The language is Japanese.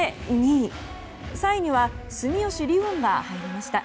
３位には住吉りをんが入りました。